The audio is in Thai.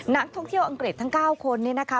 นักท่องเที่ยวอังกฤษทั้ง๙คนเนี่ยนะคะ